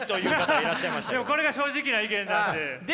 でもこれが正直な意見なんで！